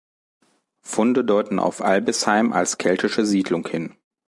Funde deuten auf Albisheim als keltische Siedlung hin.